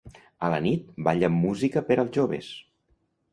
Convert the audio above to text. A la nit, ball amb música per als joves.